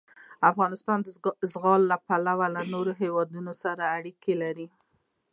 افغانستان د زغال له پلوه له نورو هېوادونو سره اړیکې لري.